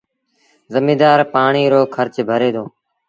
زميݩدآر پآڻي رو کرچ ڀري دو